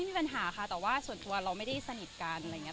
มีปัญหาค่ะแต่ว่าส่วนตัวเราไม่ได้สนิทกันอะไรอย่างนี้